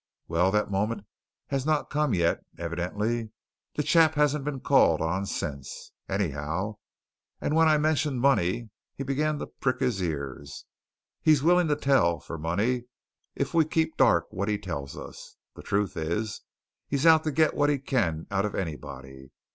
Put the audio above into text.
Well, that moment has not come yet, evidently the chap hasn't been called on since, anyhow and when I mentioned money he began to prick his ears. He's willing to tell for money if we keep dark what he tells us. The truth is, he's out to get what he can out of anybody.